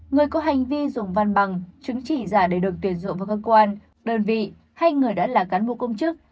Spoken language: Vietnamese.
người có hành vi dùng bằng giả để được tuyển dụng vào cơ quan đơn vị hay người đã là cán bộ công chức